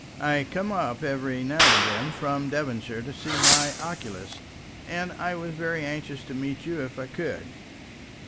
I come up every now and then from Devonshire to see my oculist, and I was very anxious to meet you if I could.